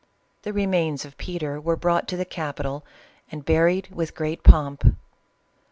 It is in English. The remains of Peter were brought to the capital and buried with great pomp.